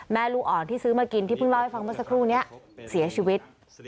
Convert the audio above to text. ลูกอ่อนที่ซื้อมากินที่เพิ่งเล่าให้ฟังเมื่อสักครู่นี้เสียชีวิต